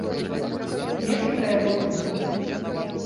Як і пра яго кнігу.